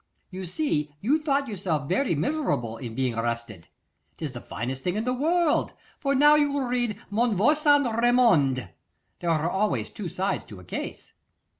You see, you thought yourself very miserable in being arrested. 'Tis the finest thing in the world, for now you will read Mon Voisin Raymond. There are always two sides to a case.